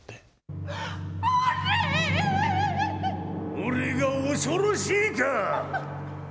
俺が恐ろしいか。